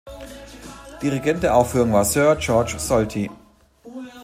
Dirigent der Aufführung war Sir Georg Solti.